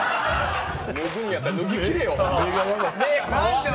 脱ぐんだったら脱ぎきれよ。